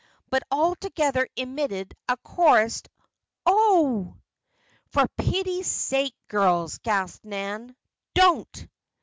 But all together emitted a chorused: "Oh!" "For pity's sake, girls!" gasped Nan. "Don't!"